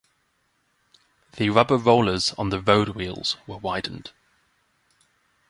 The rubber rollers on the roadwheels were widened.